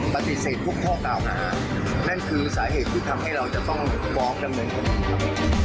ปฏิเสธพวกพ่อเก่าหานั่นคือสาเหตุที่ทำให้เราจะต้องบอล์ฟดำเนินของพวกมัน